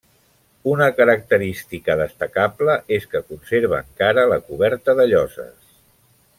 Una característica destacable és que conserva encara la coberta de lloses.